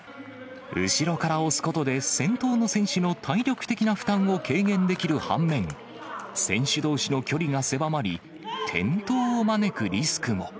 後ろから押すことで、先頭の選手の体力的な負担を軽減できる反面、選手どうしの距離が狭まり、転倒を招くリスクも。